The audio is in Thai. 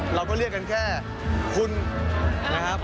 เราก็เรียกกันแค่คุณนะครับ